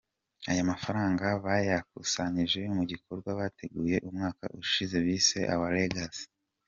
Aya mafaranga bayakusanyije mu gikorwa bateguye umwaka ushize bise “Our Legacy”.